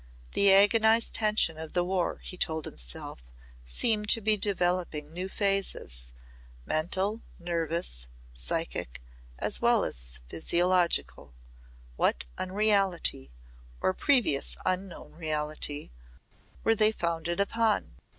The agonised tension of the war, he told himself, seemed to be developing new phases mental, nervous, psychic, as well as physiological. What unreality or previously unknown reality were they founded upon?